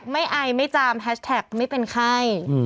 ไม่ไอไม่จามไม่เป็นไข้